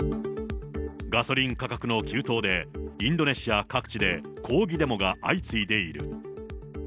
ガソリン価格の急騰で、インドネシア各地で抗議デモが相次いでいる。